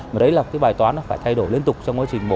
mà đấy là cái bài toán phải thay đổi liên tục trong quá trình mổ